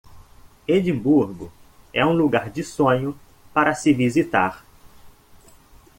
Edimburgo é um lugar de sonho para se visitar.